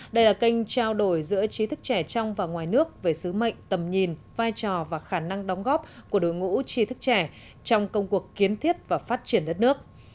đây là kênh trao đổi giữa trí thức trẻ trong và ngoài nước về sứ mệnh tầm nhìn vai trò và khả năng đóng góp của đối ngũ tri thức trẻ trong công cuộc kiến thiết và phát triển đất nước